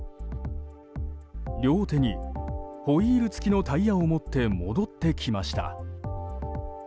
両手にホイール付きのタイヤを持って戻ってきました。